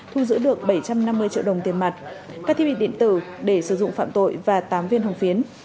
thu giữ được bảy trăm năm mươi triệu đồng tiền mặt các thiết bị điện tử để sử dụng phạm tội và tám viên hồng phiến